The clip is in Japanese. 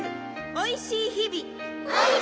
おいしい日々。